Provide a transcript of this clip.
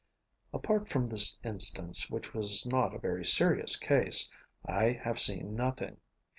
Apart from this instance, which was not a very serious case, I have seen nothing.